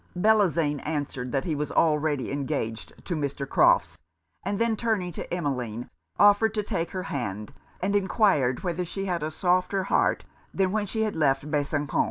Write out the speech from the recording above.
Bellozane answered that he was already engaged to Mr. Crofts'; and then turning to Emmeline, offered to take her hand; and enquired whether she had a softer heart than when she left Besançon?